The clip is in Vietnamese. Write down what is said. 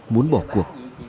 muốn bỏ cuộc